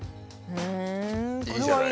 いいじゃない。